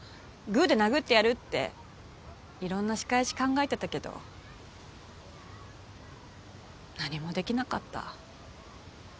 グーで殴ってやるっていろんな仕返し考えてたけど何もできなかった。